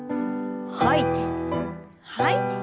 吐いて吐いて。